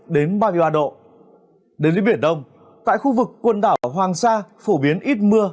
đến với biển đông tại khu vực quần đảo hoàng sa phổ biến ít mưa